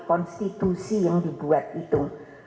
konstitusi yang dibuat itu